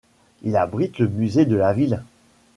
Il abrite le musée de la ville.